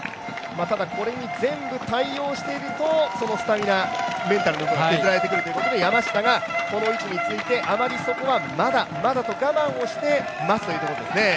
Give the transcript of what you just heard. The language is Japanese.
これに全部対応しているとスタミナとメンタルの部分が削られてくるということで、山下がこの位置について、まだまだと我慢して待つというところですね。